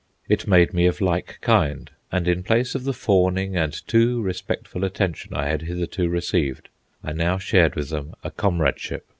It made me of like kind, and in place of the fawning and too respectful attention I had hitherto received, I now shared with them a comradeship.